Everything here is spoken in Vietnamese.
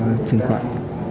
ờ truyền khoản